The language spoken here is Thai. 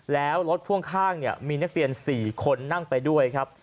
แล้วรถพ่วงข้างเนี่ยมีนักเรียน๔คนนั่งไปด้วยครับ